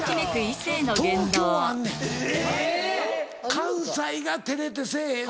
関西が照れてせぇへん。